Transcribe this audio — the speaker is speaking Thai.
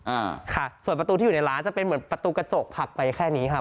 อ่าค่ะส่วนประตูที่อยู่ในร้านจะเป็นเหมือนประตูกระจกผลักไปแค่นี้ครับ